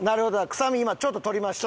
臭み今ちょっと取りました。